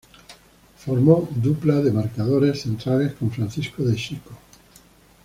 Formó dupla de marcadores centrales con Francisco De Cicco.